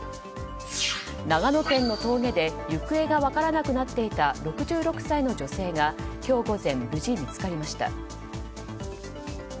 長野県の峠で行方が分からなくなっていた６６歳の女性が今日午前無事見つかりました。